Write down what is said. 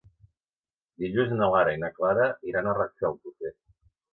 Dilluns na Lara i na Clara iran a Rafelcofer.